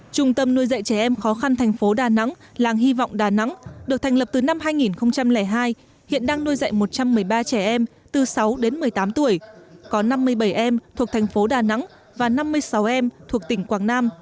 trung tâm nuôi dạy trẻ em khó khăn thành phố đà nẵng làng hy vọng đà nẵng được thành lập từ năm hai nghìn hai hiện đang nuôi dạy một trăm một mươi ba trẻ em từ sáu đến một mươi tám tuổi có năm mươi bảy em thuộc thành phố đà nẵng và năm mươi sáu em thuộc tỉnh quảng nam